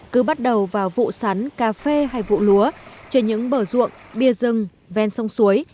cứ bắt đầu vào vụ sắn cà phê hay vụ lúa trên những bờ ruộng bìa rừng ven sông suối